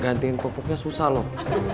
gantiin popoknya susah loh